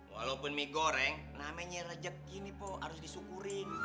walaupun mie goreng namanya rejeki nih po harus disyukurin